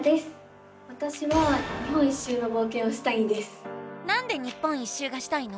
わたしはなんで日本一周がしたいの？